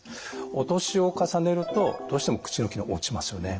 お年を重ねるとどうしても口の機能が落ちますよね。